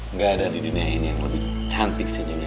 nggak ada di dunia ini yang lebih cantik senyumnya